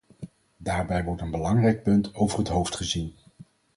Daarbij wordt een belangrijk punt over het hoofd gezien.